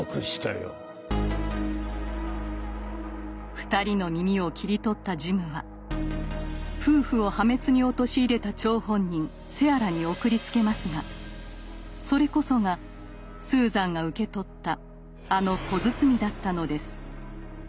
２人の耳を切り取ったジムは夫婦を破滅に陥れた張本人セアラに送りつけますがそれこそがスーザンが受け取ったあの小包だったのです。